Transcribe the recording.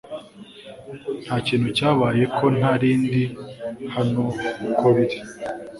Nta kintu cyabaye ko ntarindi hano uko biri